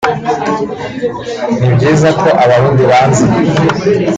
ni byiza ko abarundi banzi